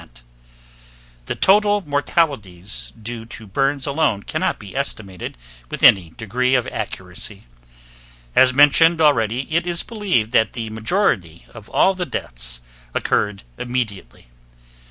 The total mortalities due to burns alone cannot be estimated with any degree of accuracy. As mentioned already, it is believed that the majority of all the deaths occurred immediately.